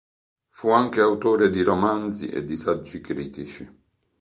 Fu anche autore di romanzi e di saggi critici.